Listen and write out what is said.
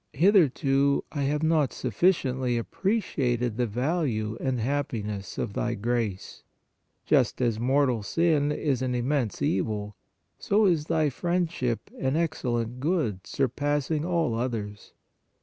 Hitherto I have not sufficiently appreciated the value and happiness of Thy grace. Just as mortal sin is an immense evil, so is Thy friendship an excellent good surpassing all others.